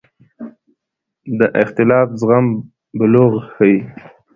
د اختلاف زغم بلوغ ښيي